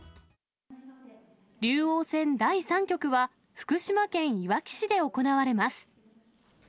竜王戦第３局は、福島県いわき市で行われます。